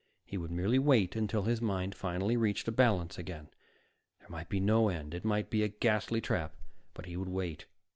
He would merely wait until his mind finally reached a balance again. There might be no end; it might be a ghastly trap, but he would wait.